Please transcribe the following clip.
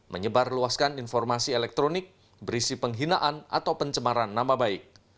menyebar luaskan informasi elektronik berisi penghinaan atau pencemaran nama baik